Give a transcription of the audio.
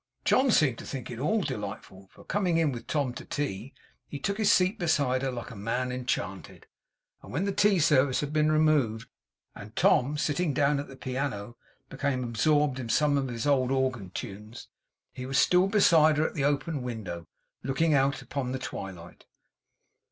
John seemed to think it all delightful; for coming in with Tom to tea, he took his seat beside her like a man enchanted. And when the tea service had been removed, and Tom, sitting down at the piano, became absorbed in some of his old organ tunes, he was still beside her at the open window, looking out upon the twilight.